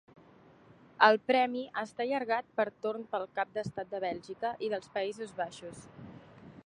El premi està allargat per torn pel cap d'estat de Bèlgica i dels Països Baixos.